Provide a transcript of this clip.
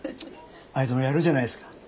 あいつもやるじゃないですか。